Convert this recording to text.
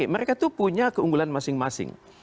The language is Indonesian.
mereka tuh punya keunggulan masing masing